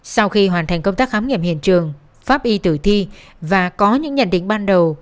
sau khi hoàn thành công tác khám nghiệm hiện trường pháp y tử thi và có những nhận định ban đầu